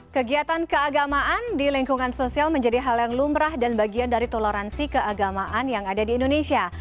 kegiatan keagamaan di lingkungan sosial menjadi hal yang lumrah dan bagian dari toleransi keagamaan yang ada di indonesia